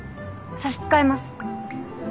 差し支えます。